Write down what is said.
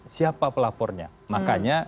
siapa pelapornya makanya